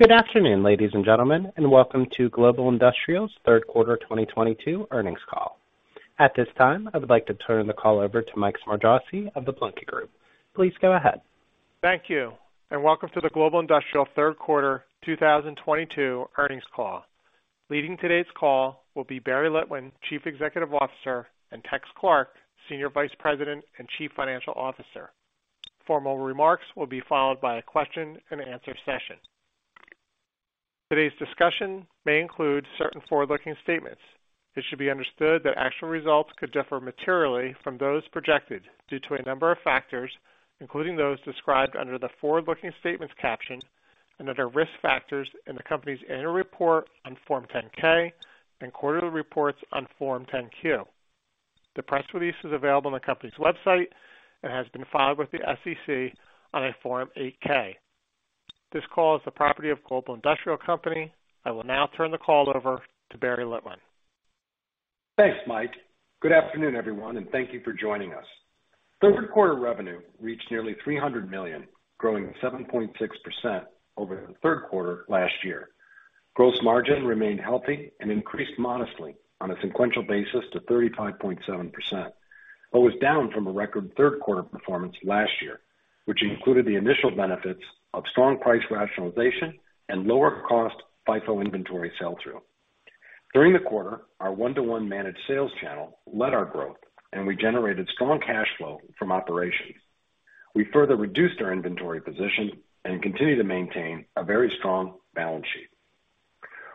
Good afternoon, ladies and gentlemen, and welcome to Global Industrial's third quarter 2022 earnings call. At this time, I would like to turn the call over to Mike Smargiassi of The Blueshirt Group. Please go ahead. Thank you, and welcome to the Global Industrial Company third quarter 2022 earnings call. Leading today's call will be Barry Litwin, Chief Executive Officer, and Tex Clark, Senior Vice President and Chief Financial Officer. Formal remarks will be followed by a question and answer session. Today's discussion may include certain forward-looking statements. It should be understood that actual results could differ materially from those projected due to a number of factors, including those described under the Forward-Looking Statements caption and under Risk Factors in the company's annual report on Form 10-K and quarterly reports on Form 10-Q. The press release is available on the company's website and has been filed with the SEC on a Form 8-K. This call is the property of Global Industrial Company. I will now turn the call over to Barry Litwin. Thanks, Mike. Good afternoon, everyone, and thank you for joining us. Third quarter revenue reached nearly $300 million, growing 7.6% over the third quarter last year. Gross margin remained healthy and increased modestly on a sequential basis to 35.7%, but was down from a record third quarter performance last year, which included the initial benefits of strong price rationalization and lower cost FIFO inventory sell-through. During the quarter, our one-to-one managed sales channel led our growth, and we generated strong cash flow from operations. We further reduced our inventory position and continue to maintain a very strong balance sheet.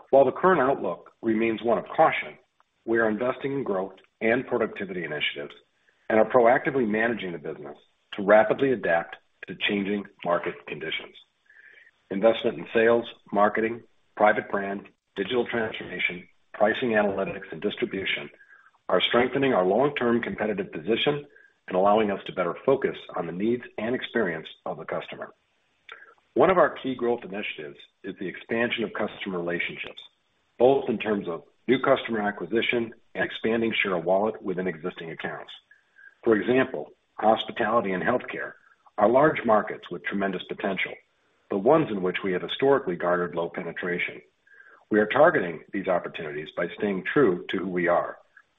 While the current outlook remains one of caution, we are investing in growth and productivity initiatives and are proactively managing the business to rapidly adapt to changing market conditions. Investment in sales, marketing, private brand, digital transformation, pricing analytics, and distribution are strengthening our long-term competitive position and allowing us to better focus on the needs and experience of the customer. One of our key growth initiatives is the expansion of customer relationships, both in terms of new customer acquisition and expanding share of wallet within existing accounts. For example, hospitality and healthcare are large markets with tremendous potential, but ones in which we have historically had low penetration. We are targeting these opportunities by staying true to who we are,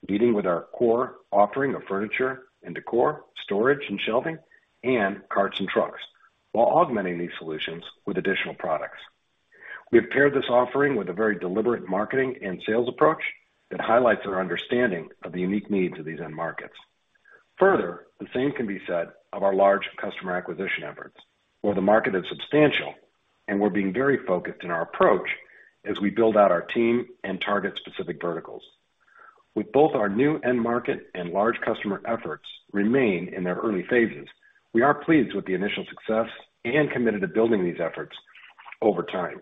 leading with our core offering of furniture and decor, storage and shelving, and carts and trucks, while augmenting these solutions with additional products. We have paired this offering with a very deliberate marketing and sales approach that highlights our understanding of the unique needs of these end markets. Further, the same can be said of our large customer acquisition efforts, where the market is substantial, and we're being very focused in our approach as we build out our team and target specific verticals. With both our new end market and large customer efforts remaining in their early phases, we are pleased with the initial success and committed to building these efforts over time.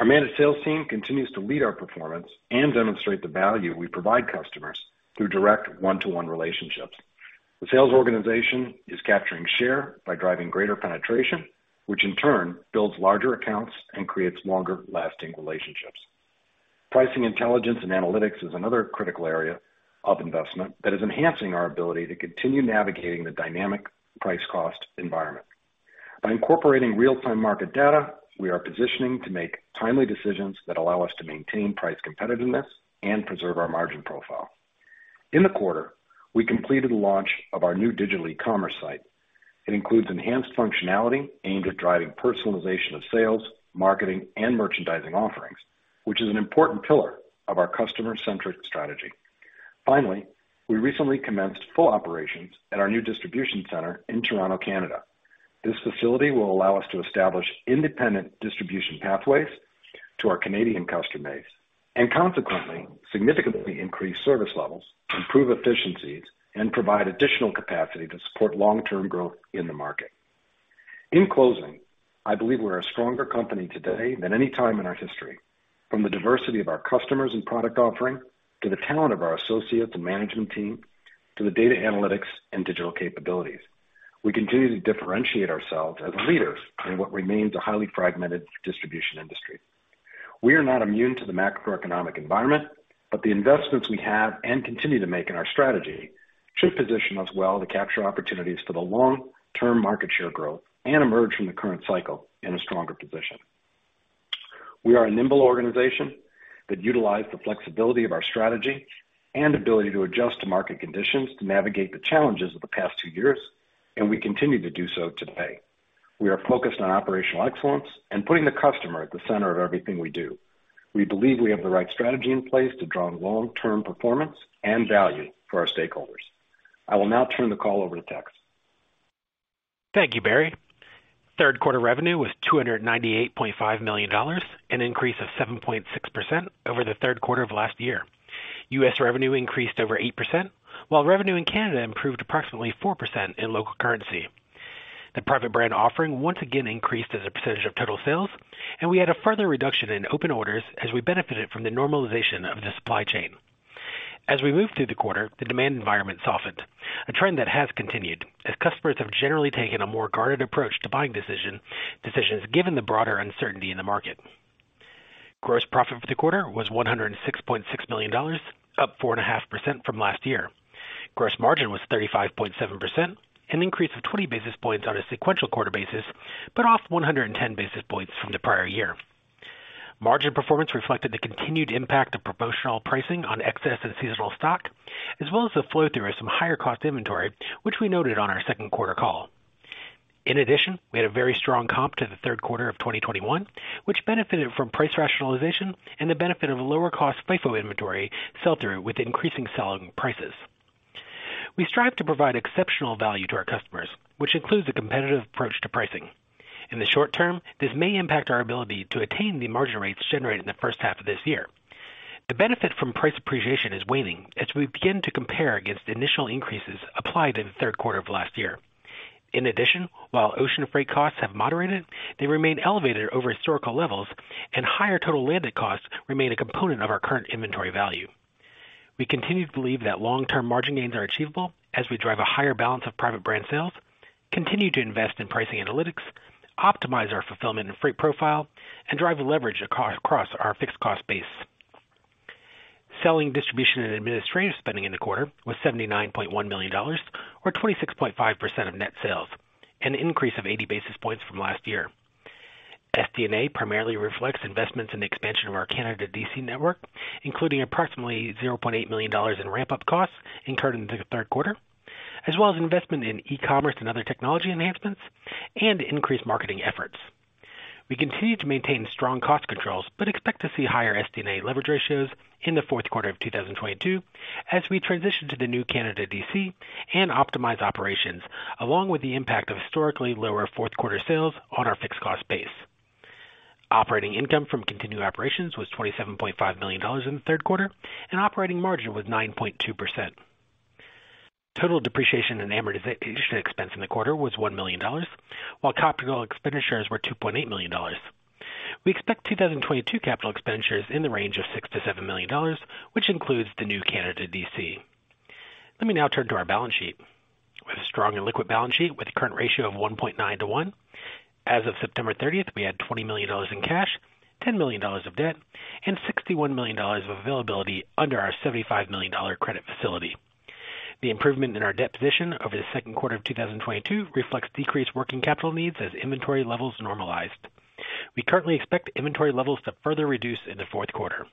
Our managed sales team continues to lead our performance and demonstrate the value we provide customers through direct one-to-one relationships. The sales organization is capturing share by driving greater penetration, which in turn builds larger accounts and creates longer lasting relationships. Pricing intelligence and analytics is another critical area of investment that is enhancing our ability to continue navigating the dynamic price cost environment. By incorporating real-time market data, we are positioning to make timely decisions that allow us to maintain price competitiveness and preserve our margin profile. In the quarter, we completed the launch of our new digital e-commerce site. It includes enhanced functionality aimed at driving personalization of sales, marketing, and merchandising offerings, which is an important pillar of our customer-centric strategy. Finally, we recently commenced full operations at our new distribution center in Toronto, Canada. This facility will allow us to establish independent distribution pathways to our Canadian customer base, and consequently, significantly increase service levels, improve efficiencies, and provide additional capacity to support long-term growth in the market. In closing, I believe we're a stronger company today than any time in our history. From the diversity of our customers and product offering, to the talent of our associates and management team, to the data analytics and digital capabilities, we continue to differentiate ourselves as leaders in what remains a highly fragmented distribution industry. We are not immune to the macroeconomic environment, but the investments we have and continue to make in our strategy should position us well to capture opportunities for the long-term market share growth and emerge from the current cycle in a stronger position. We are a nimble organization that utilized the flexibility of our strategy and ability to adjust to market conditions to navigate the challenges of the past two years, and we continue to do so today. We are focused on operational excellence and putting the customer at the center of everything we do. We believe we have the right strategy in place to drive long-term performance and value for our stakeholders. I will now turn the call over to Tex. Thank you, Barry. Third quarter revenue was $298.5 million, an increase of 7.6% over the third quarter of last year. US revenue increased over 8%, while revenue in Canada improved approximately 4% in local currency. The private brand offering once again increased as a percentage of total sales, and we had a further reduction in open orders as we benefited from the normalization of the supply chain. As we moved through the quarter, the demand environment softened, a trend that has continued as customers have generally taken a more guarded approach to buying decisions given the broader uncertainty in the market. Gross profit for the quarter was $106.6 million, up 4.5% from last year. Gross margin was 35.7%, an increase of 20 basis points on a sequential quarter basis, but off 110 basis points from the prior year. Margin performance reflected the continued impact of promotional pricing on excess and seasonal stock, as well as the flow through of some higher cost inventory, which we noted on our second quarter call. In addition, we had a very strong comp to the third quarter of 2021, which benefited from price rationalization and the benefit of lower cost FIFO inventory sell through with increasing selling prices. We strive to provide exceptional value to our customers, which includes a competitive approach to pricing. In the short term, this may impact our ability to attain the margin rates generated in the first half of this year. The benefit from price appreciation is waning as we begin to compare against the initial increases applied in the third quarter of last year. In addition, while ocean freight costs have moderated, they remain elevated over historical levels, and higher total landed costs remain a component of our current inventory value. We continue to believe that long-term margin gains are achievable as we drive a higher balance of private brand sales, continue to invest in pricing analytics, optimize our fulfillment and freight profile, and drive leverage across our fixed cost base. Selling, general, and administrative spending in the quarter was $79.1 million or 26.5% of net sales, an increase of 80 basis points from last year. SG&A primarily reflects investments in the expansion of our Canada DC network, including approximately $0.8 million in ramp up costs incurred in the third quarter, as well as investment in e-commerce and other technology enhancements and increased marketing efforts. We continue to maintain strong cost controls, but expect to see higher SG&A leverage ratios in the fourth quarter of 2022 as we transition to the new Canada DC and optimize operations along with the impact of historically lower fourth quarter sales on our fixed cost base. Operating income from continued operations was $27.5 million in the third quarter, and operating margin was 9.2%. Total depreciation and amortization expense in the quarter was $1 million, while capital expenditures were $2.8 million. We expect 2022 capital expenditures in the range of $6-$7 million, which includes the new Canada DC. Let me now turn to our balance sheet. We have a strong and liquid balance sheet with a current ratio of 1.9 to 1. As of September 30th, we had $20 million in cash, $10 million of debt, and $61 million of availability under our $75 million dollar credit facility. The improvement in our debt position over the second quarter of 2022 reflects decreased working capital needs as inventory levels normalized. We currently expect inventory levels to further reduce in the fourth quarter.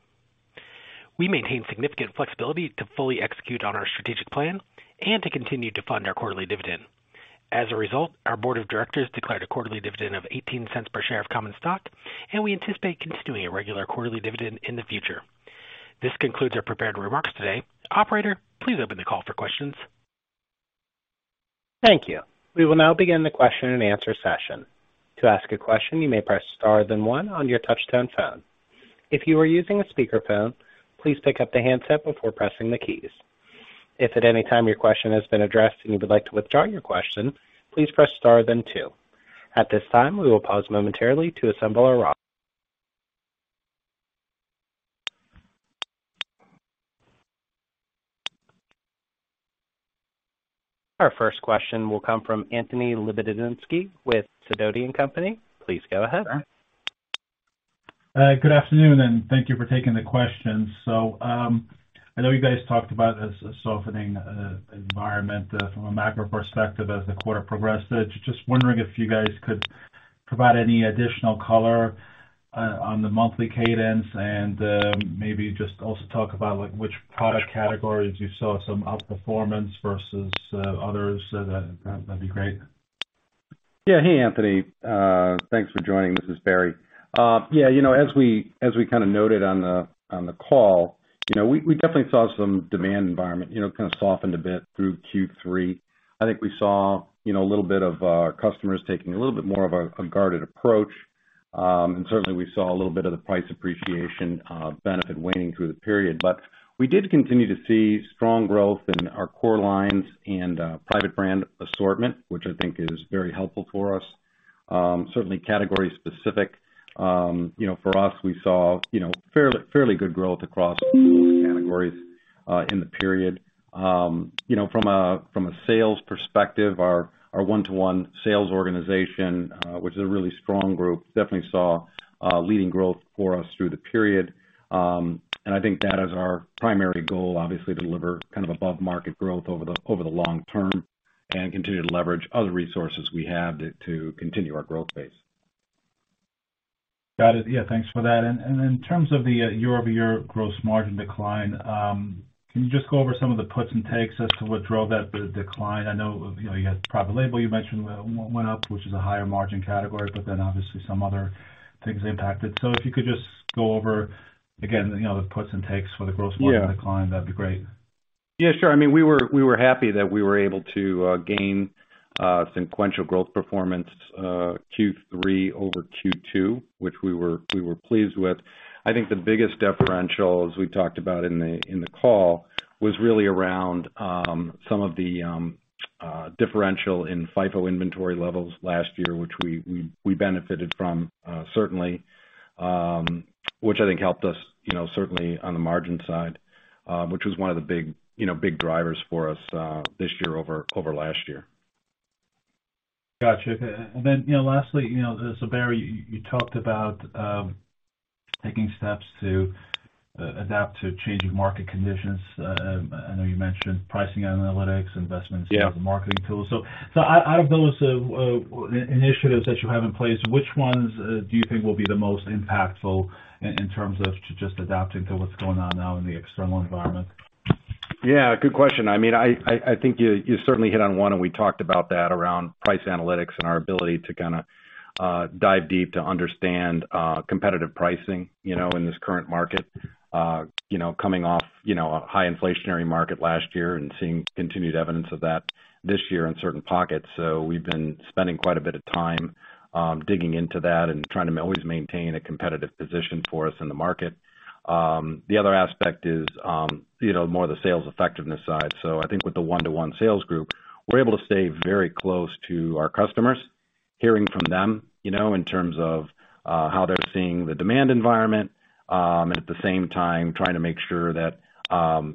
We maintain significant flexibility to fully execute on our strategic plan and to continue to fund our quarterly dividend. As a result, our board of directors declared a quarterly dividend of $0.18 per share of common stock, and we anticipate continuing a regular quarterly dividend in the future. This concludes our prepared remarks today. Operator, please open the call for questions. Thank you. We will now begin the question and answer session. To ask a question, you may press star then one on your touchtone phone. If you are using a speakerphone, please pick up the handset before pressing the keys. If at any time your question has been addressed and you would like to withdraw your question, please press star then two. At this time, we will pause momentarily to assemble our. Our first question will come from Anthony Lebiedzinski with Sidoti & Company. Please go ahead. Good afternoon, and thank you for taking the questions. I know you guys talked about a softening environment from a macro perspective as the quarter progressed. Just wondering if you guys could provide any additional color on the monthly cadence and maybe just also talk about like which product categories you saw some outperformance versus others. That'd be great. Yeah. Hey, Anthony. Thanks for joining. This is Barry. Yeah, you know, as we kind of noted on the call, you know, we definitely saw some demand environment, you know, kind of softened a bit through Q3. I think we saw, you know, a little bit of customers taking a little bit more of a guarded approach. Certainly we saw a little bit of the price appreciation benefit waning through the period. We did continue to see strong growth in our core lines and private brand assortment, which I think is very helpful for us. Certainly category specific. You know, for us, we saw, you know, fairly good growth across categories in the period. You know, from a sales perspective, our one-to-one sales organization, which is a really strong group, definitely saw leading growth for us through the period. I think that is our primary goal, obviously deliver kind of above market growth over the long term and continue to leverage other resources we have to continue our growth phase. Got it. Yeah, thanks for that. In terms of the year-over-year gross margin decline, can you just go over some of the puts and takes as to what drove that decline? I know, you know, you had private label you mentioned went up, which is a higher margin category, but then obviously some other things impacted. If you could just go over again, you know, the puts and takes for the gross margin decline, that'd be great. Yeah, sure. I mean, we were happy that we were able to gain sequential growth performance Q3 over Q2, which we were pleased with. I think the biggest differential, as we talked about in the call, was really around some of the differential in FIFO inventory levels last year, which we benefited from certainly. Which I think helped us, you know, certainly on the margin side, which was one of the big, you know, big drivers for us this year over last year. Gotcha. You know, so Barry, you talked about taking steps to adapt to changing market conditions. I know you mentioned pricing analytics, investments. Yeah In terms of marketing tools. Out of those initiatives that you have in place, which ones do you think will be the most impactful in terms of just adapting to what's going on now in the external environment? Yeah, good question. I mean, I think you certainly hit on one and we talked about that around price analytics and our ability to kinda dive deep to understand competitive pricing, you know, in this current market. You know, coming off, you know, a high inflationary market last year and seeing continued evidence of that this year in certain pockets. We've been spending quite a bit of time digging into that and trying to always maintain a competitive position for us in the market. The other aspect is, you know, more the sales effectiveness side. I think with the one-to-one sales group, we're able to stay very close to our customers, hearing from them, you know, in terms of how they're seeing the demand environment, and at the same time trying to make sure that,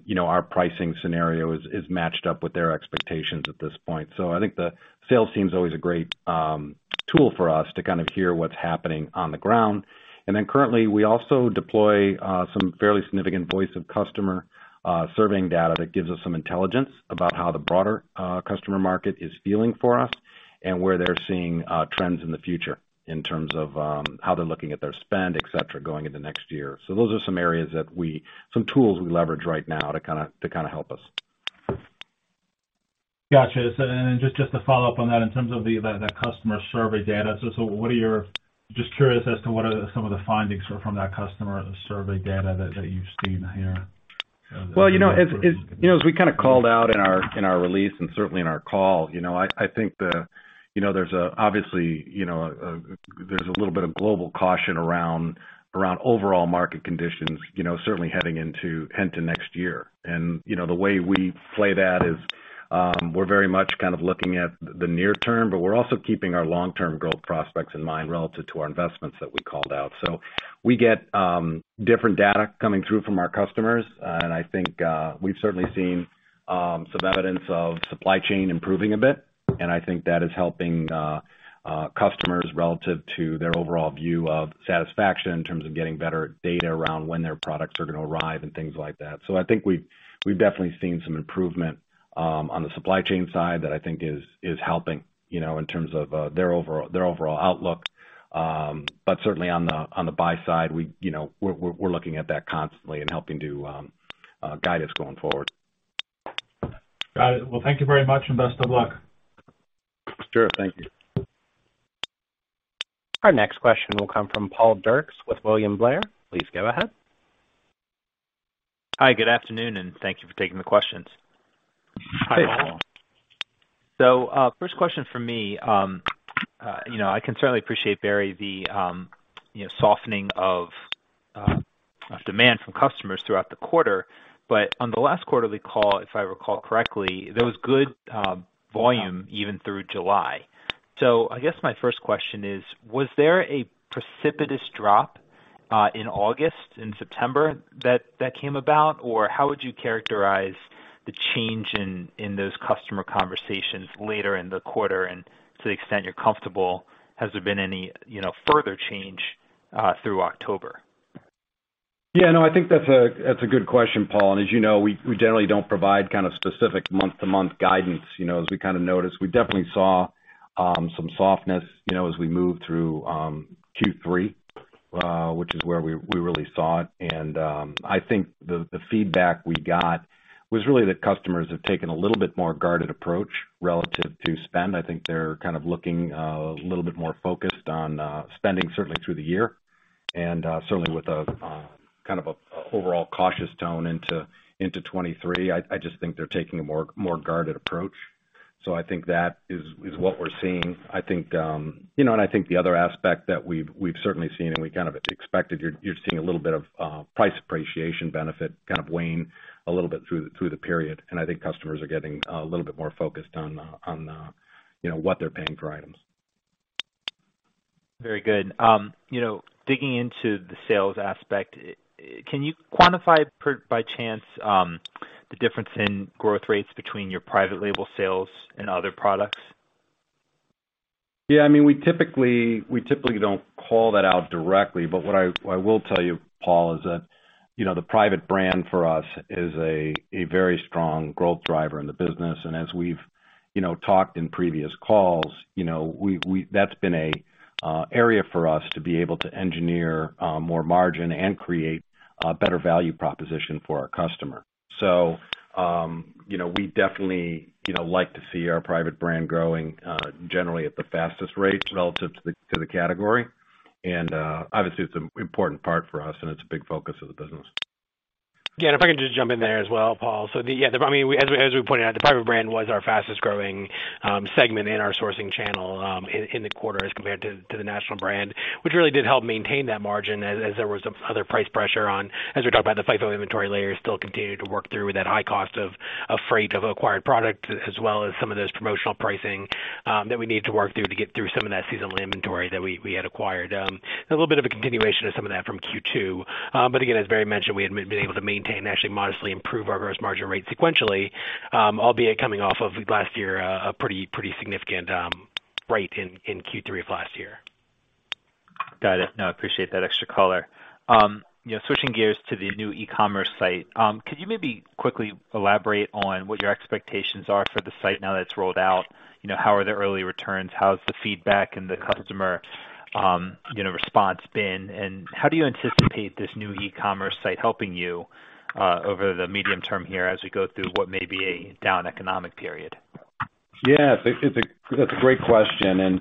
you know, our pricing scenario is matched up with their expectations at this point. I think the sales team's always a great tool for us to kind of hear what's happening on the ground. Currently, we also deploy some fairly significant voice of customer surveying data that gives us some intelligence about how the broader customer market is feeling for us and where they're seeing trends in the future in terms of how they're looking at their spend, et cetera, going into next year. Those are some areas, some tools we leverage right now to kinda help us. Gotcha. Then just to follow up on that, in terms of the customer survey data, just curious as to what are some of the findings from that customer survey data that you've seen here? Well, you know, as you know, as we kinda called out in our release and certainly in our call, you know, I think. You know, there's obviously a little bit of global caution around overall market conditions, you know, certainly heading into next year. You know, the way we play that is, we're very much kind of looking at the near term, but we're also keeping our long-term growth prospects in mind relative to our investments that we called out. We get different data coming through from our customers. I think we've certainly seen some evidence of supply chain improving a bit, and I think that is helping customers relative to their overall view of satisfaction in terms of getting better data around when their products are gonna arrive and things like that. I think we've definitely seen some improvement on the supply chain side that I think is helping, you know, in terms of their overall outlook. Certainly on the buy side, we, you know, we're looking at that constantly and helping to guide us going forward. Got it. Well, thank you very much, and best of luck. Sure. Thank you. Our next question will come from Ryan Merkel with William Blair. Please go ahead. Hi, good afternoon, and thank you for taking the questions. Hi, Ryan. First question from me. You know, I can certainly appreciate, Barry, the you know softening of demand from customers throughout the quarter. On the last quarterly call, if I recall correctly, there was good volume even through July. I guess my first question is, was there a precipitous drop in August and September that came about? Or how would you characterize the change in those customer conversations later in the quarter? And to the extent you're comfortable, has there been any further change through October? Yeah, no, I think that's a good question, Ryan, and as you know, we generally don't provide kind of specific month-to-month guidance, you know, as we kind of notice. We definitely saw some softness, you know, as we moved through Q3, which is where we really saw it. I think the feedback we got was really that customers have taken a little bit more guarded approach relative to spend. I think they're kind of looking a little bit more focused on spending certainly through the year and certainly with a kind of a overall cautious tone into 2023. I just think they're taking a more guarded approach. I think that is what we're seeing. I think, you know, I think the other aspect that we've certainly seen and we kind of expected, you're seeing a little bit of price appreciation benefit kind of wane a little bit through the period. I think customers are getting a little bit more focused on, you know, what they're paying for items. Very good. You know, digging into the sales aspect, can you quantify it, by chance, the difference in growth rates between your private label sales and other products? I mean, we typically don't call that out directly, but what I will tell you, Ryan, is that, you know, the private brand for us is a very strong growth driver in the business. As we've, you know, talked in previous calls, you know, that's been an area for us to be able to engineer more margin and create a better value proposition for our customer. We definitely, you know, like to see our private brand growing generally at the fastest rates relative to the category. Obviously it's an important part for us and it's a big focus of the business. Again, if I can just jump in there as well, Ryan. The private brand was our fastest growing segment in our sourcing channel in the quarter as compared to the national brand, which really did help maintain that margin as there was some other price pressure on, as we talked about, the FIFO inventory layer still continued to work through that high cost of freight of acquired product, as well as some of those promotional pricing that we need to work through to get through some of that seasonal inventory that we had acquired. A little bit of a continuation of some of that from Q2. Again, as Barry mentioned, we had been able to maintain and actually modestly improve our gross margin rate sequentially, albeit coming off of last year, a pretty significant rate in Q3 of last year. Got it. No, I appreciate that extra color. You know, switching gears to the new e-commerce site, could you maybe quickly elaborate on what your expectations are for the site now that it's rolled out? You know, how are the early returns? How's the feedback and the customer, you know, response been? How do you anticipate this new e-commerce site helping you over the medium term here as we go through what may be a down economic period? Yeah. It's a great question.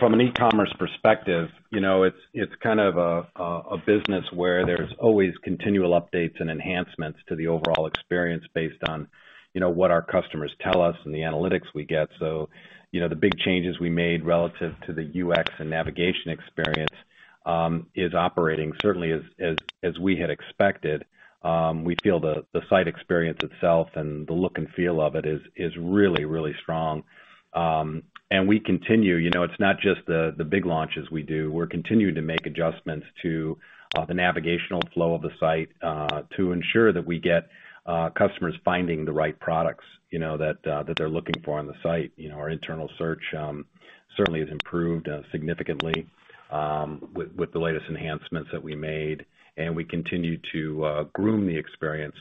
From an e-commerce perspective, it's kind of a business where there's always continual updates and enhancements to the overall experience based on what our customers tell us and the analytics we get. The big changes we made relative to the UX and navigation experience is operating certainly as we had expected. We feel the site experience itself and the look and feel of it is really strong. We continue. It's not just the big launches we do. We're continuing to make adjustments to the navigational flow of the site to ensure that we get customers finding the right products that they're looking for on the site. You know, our internal search certainly has improved significantly with the latest enhancements that we made. We continue to groom the experience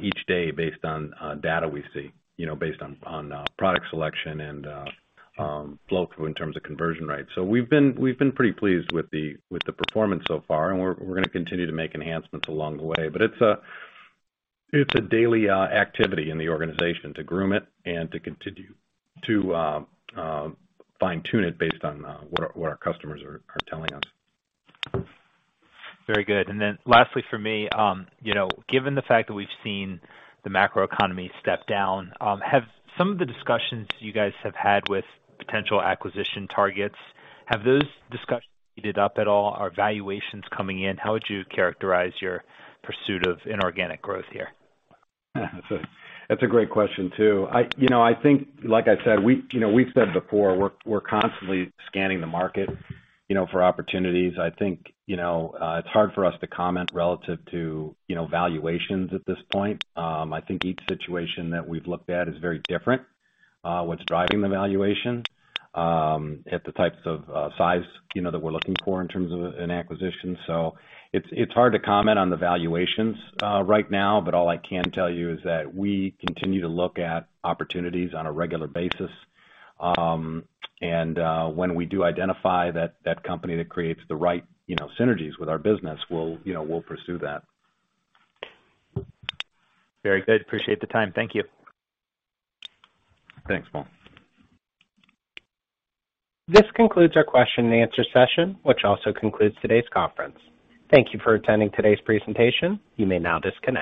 each day based on data we see, you know, based on product selection and flow through in terms of conversion rates. We've been pretty pleased with the performance so far, and we're gonna continue to make enhancements along the way. It's a daily activity in the organization to groom it and to continue to fine-tune it based on what our customers are telling us. Very good. Lastly from me, you know, given the fact that we've seen the macro economy step down, have some of the discussions you guys have had with potential acquisition targets, have those discussions heated up at all? Are valuations coming in? How would you characterize your pursuit of inorganic growth here? That's a great question, too. You know, I think, like I said, we've said before, we're constantly scanning the market, you know, for opportunities. I think, you know, it's hard for us to comment relative to, you know, valuations at this point. I think each situation that we've looked at is very different. What's driving the valuation at the types of size, you know, that we're looking for in terms of an acquisition. It's hard to comment on the valuations right now, but all I can tell you is that we continue to look at opportunities on a regular basis. When we do identify that company that creates the right, you know, synergies with our business, we'll, you know, pursue that. Very good. Appreciate the time. Thank you. Thanks, Ryan. This concludes our question and answer session, which also concludes today's conference. Thank you for attending today's presentation. You may now disconnect.